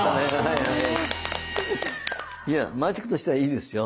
いやマジックとしてはいいですよ。